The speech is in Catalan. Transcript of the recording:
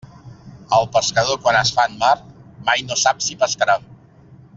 El pescador quan es fa en mar mai no sap si pescarà.